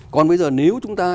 còn bây giờ nếu chúng ta